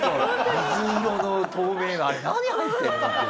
水色の透明のあれ何入ってんの？っていう。